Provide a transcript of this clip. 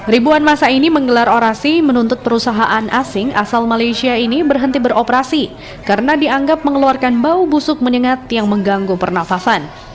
ribuan masa ini menggelar orasi menuntut perusahaan asing asal malaysia ini berhenti beroperasi karena dianggap mengeluarkan bau busuk menyengat yang mengganggu pernafasan